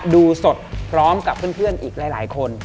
ดูสดพร้อมกับเพื่อนอีกหลายคน